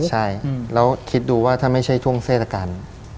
ใช่แล้วคิดดูว่าถ้าไม่ใช่ช่วงเทศกาล